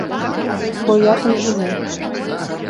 Бо я там жыву.